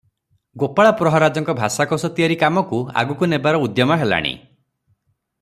ଗୋପାଳ ପ୍ରହରାଜଙ୍କ ଭାଷାକୋଷ ତିଆରି କାମକୁ ଆଗକୁ ନେବାର ଉଦ୍ୟମ ହେଲାଣି ।